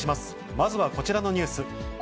まずはこちらのニュース。